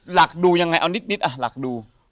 หลักดูยังไงเอานิดหลักดู